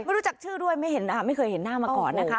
ไม่รู้จักชื่อด้วยไม่เคยเห็นหน้ามาก่อนนะคะ